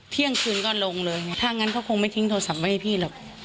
เที่ยงคืนก็ลงเลยถ้างั้นก็คงไม่ทิ้งโทรศัพท์ไว้ให้พี่หรอก